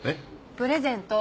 プレゼント！